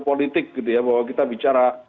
politik gitu ya bahwa kita bicara